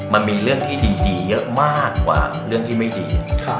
มันมีเรื่องที่ดีเยอะมากกว่าเรื่องที่ไม่ดี